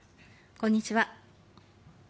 こんにちは。